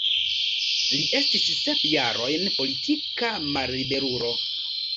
Li estis sep jarojn politika malliberulo.